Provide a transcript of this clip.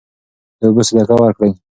د اوبو صدقه ورکړئ.